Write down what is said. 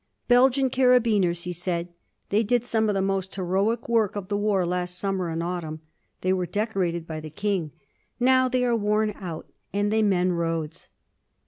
"Belgian carabineers," he said. "They did some of the most heroic work of the war last summer and autumn. They were decorated by the King. Now they are worn out and they mend roads!"